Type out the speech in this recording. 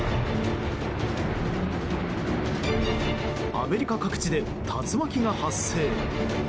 アメリカ各地で竜巻が発生。